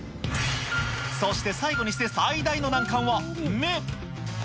そして最後にして最大の難関は目。